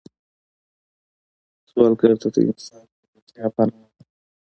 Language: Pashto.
سوالګر ته د انسان ملګرتیا پناه ده